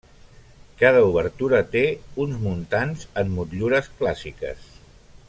Cada obertura té uns muntants amb motllures clàssiques.